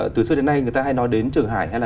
từ xưa đến nay người ta hay nói đến trường hải hay là